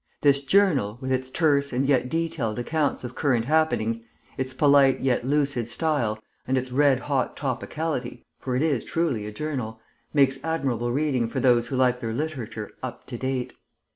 This journal, with its terse and yet detailed accounts of current happenings, its polite yet lucid style, and its red hot topicality (for it is truly a journal), makes admirable reading for those who like their literature up to date.